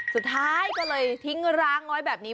สุดท้ายก็เลยทิ้งร้างไว้แบบนี้